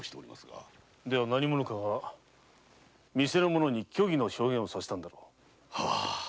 何者かが店の者に虚偽の証言をさせたのだろう。